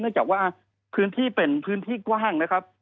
จากว่าพื้นที่เป็นพื้นที่กว้างนะครับ